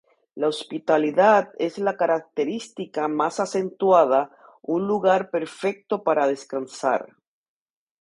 La hospitalidad es la característica más acentuada, un lugar perfecto para descansar.